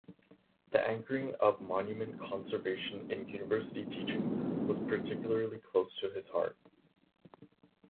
The anchoring of monument conservation in university teaching was particularly close to his heart.